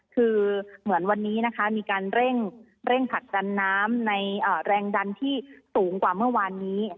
คือเหมือนวันนี้นะคะมีการเร่งผลักดันน้ำในแรงดันที่สูงกว่าเมื่อวานนี้